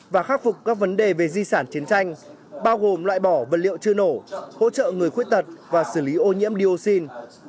và khắc phục các vấn đề về di sản chiến tranh bao gồm loại bỏ vật liệu chưa nổ hỗ trợ người khuyết tật và xử lý ô nhiễm dioxin